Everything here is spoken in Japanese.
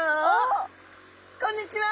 こんにちは！